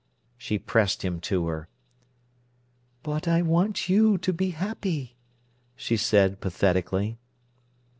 She pressed him to her. "But I want you to be happy," she said pathetically.